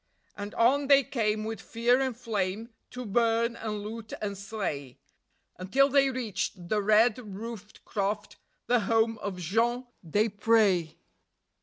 And on they came with fear and flame, to burn and loot and slay, Until they reached the red roofed croft, the home of Jean Desprez.